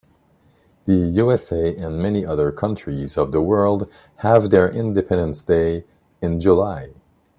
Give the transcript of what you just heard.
The USA and many other countries of the world have their independence day in July.